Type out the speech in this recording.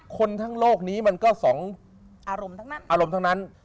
คนต้างโลกนี้มันก็สองอารมณ์ทั้งนั้น